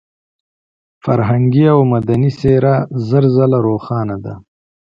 فرهنګي او مدني څېره زر ځله روښانه ده.